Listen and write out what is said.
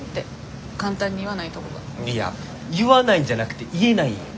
いや言わないんじゃなくて言えないんよ。